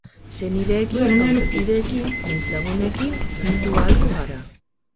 Senideekin, auzokideekin nahiz laguneekin bildu ahalko gara.